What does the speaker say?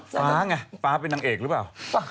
ฟ้าไงฟ้าเป็นนางเอกหรือเปล่า